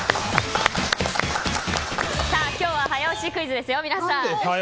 さあ、今日は早押しクイズですよ。